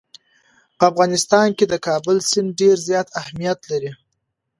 په افغانستان کې د کابل سیند ډېر زیات اهمیت لري.